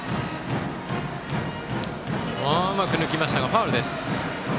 うまく抜きましたがファウルです。